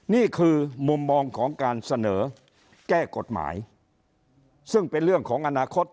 นี่คือมุมมองของการเสนอแก้กฎหมายซึ่งเป็นเรื่องของอนาคต